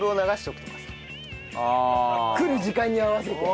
来る時間に合わせて。